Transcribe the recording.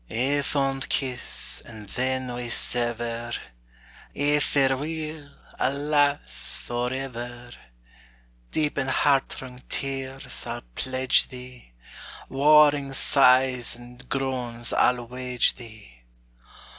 Ae fond kiss, and then we sever; Ae fareweel, alas, forever! Deep in heart wrung tears I'll pledge thee; Warring sighs and groans I'll wage thee.